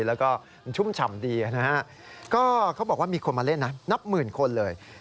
แล้วก็ชุ่มชำดีอ่ะนะฮะเค้าบอกว่ามีคนมาเล่นน้ำนับมืลคนเลย